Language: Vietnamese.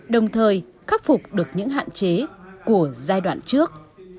đồng thời khắc phục được những hạn chế của giai đoạn trước